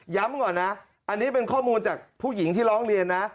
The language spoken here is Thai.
ก่อนนะอันนี้เป็นข้อมูลจากผู้หญิงที่ร้องเรียนนะ